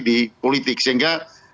di politik sehingga